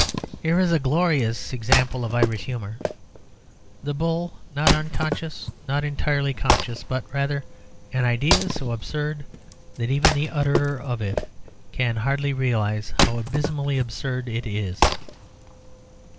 Here is a glorious example of Irish humour the bull not unconscious, not entirely conscious, but rather an idea so absurd that even the utterer of it can hardly realise how abysmally absurd it is.